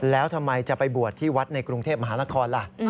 แล้วทำไมจะไปบวชที่วัดในกรุงเทพมหานครล่ะ